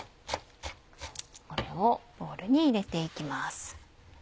これをボウルに入れて行きます。